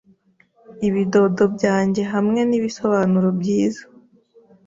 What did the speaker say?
Ibidodo byanjye hamwe nibisobanuro byiza